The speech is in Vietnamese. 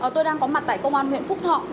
tôi đang có mặt tại công an huyện phúc thọ